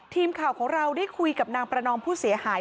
ทีมข่าวของเราได้คุยกับนางประนอมผู้เสียหาย